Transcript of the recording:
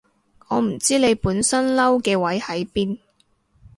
我唔知你本身嬲嘅位喺邊